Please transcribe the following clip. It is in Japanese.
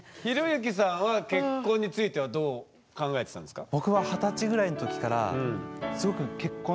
寛之さんは結婚についてはどう考えてたんですか？